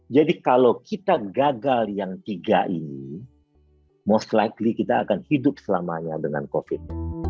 jadi kalau kita gagal yang tiga ini most likely kita akan hidup selamanya dengan covid